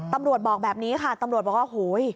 ตำรวจบอกแบบนี้ค่ะตำรวจบอกว่าโหย